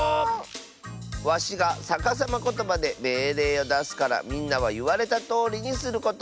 わしがさかさまことばでめいれいをだすからみんなはいわれたとおりにすること！